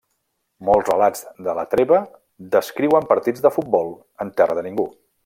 Molts relats de la treva descriuen partits de futbol en terra de ningú.